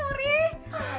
hai bu kirain ada apaan